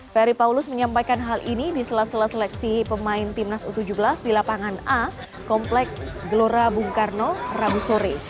ferry paulus menyampaikan hal ini di sela sela seleksi pemain timnas u tujuh belas di lapangan a kompleks gelora bung karno rabu sore